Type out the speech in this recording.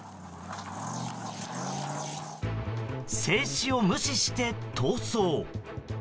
制止を無視して逃走。